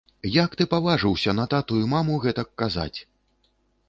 Як ты паважыўся на тату і маму гэтак казаць.